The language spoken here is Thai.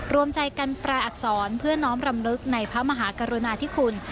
รวมใจกันแปลอักษรเพื่อน้อมรำลึกในพระมหากรุณาธิคุณ